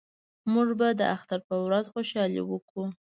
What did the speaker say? موږ به د اختر په ورځ خوشحالي وکړو